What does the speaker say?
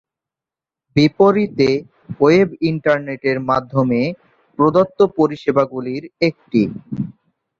বিপরীতে, ওয়েব ইন্টারনেটের মাধ্যমে প্রদত্ত পরিষেবাগুলির একটি।